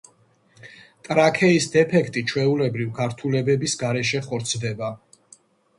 ტრაქეის დეფექტი ჩვეულებრივ გართულებების გარეშე ხორცდება.